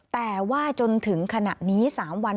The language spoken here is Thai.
แต่ว่าจนถึงขณะนี้๓วัน